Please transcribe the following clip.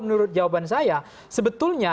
menurut jawaban saya sebetulnya